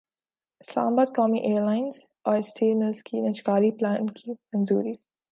اسلام باد قومی ایئرلائن اور اسٹیل ملزکے نجکاری پلان کی منظوری